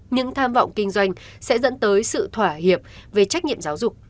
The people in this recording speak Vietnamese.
những tham vọng kinh doanh sẽ dẫn tới sự thỏa hiệp về trách nhiệm giáo dục